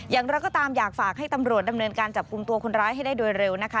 อย่างไรก็ตามอยากฝากให้ตำรวจดำเนินการจับกลุ่มตัวคนร้ายให้ได้โดยเร็วนะคะ